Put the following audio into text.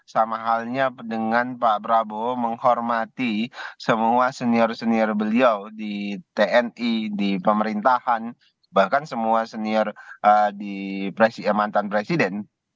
sama halnya dengan pak prabowo menghormati semua senior senior beliau di tni di pemerintahan bahkan semua senior di mantan presiden